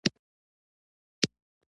آیا د انارو صادرات ډیر شوي دي؟